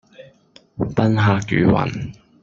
賓客如雲